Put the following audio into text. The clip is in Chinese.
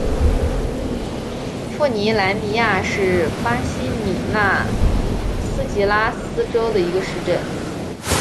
富尼兰迪亚是巴西米纳斯吉拉斯州的一个市镇。